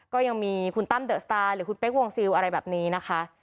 ก็ยังมีคุณตั้มเดอะสตาร์หรือคุณเป๊กวงซิลอะไรแบบนี้นะคะ